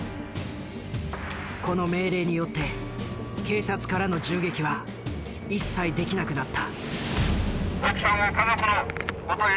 この命令によって警察からの銃撃は一切できなくなった。